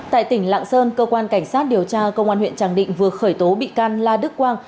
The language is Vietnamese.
tại tỉnh lạng sơn cơ quan cảnh sát điều tra công an huyện tràng định vừa khởi tố bị can la đức quang